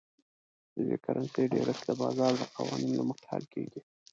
د یوې کرنسۍ ډېرښت د بازار د قوانینو له مخې حل کیږي.